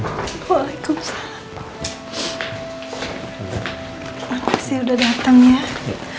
tapi kenapa aku hidup inspirasi